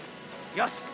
よし！